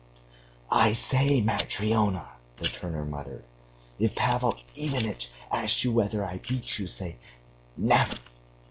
"I say, Matryona,..." the turner muttered, "if Pavel Ivanitch asks you whether I beat you, say, 'Never!